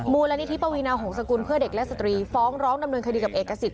มูลนิธิปวีนาหงษกุลเพื่อเด็กและสตรีฟ้องร้องดำเนินคดีกับเอกสิทธ